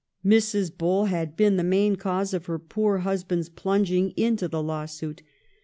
Mrs. Bull had been the main cause of her poor husband plunging into the lawsuit.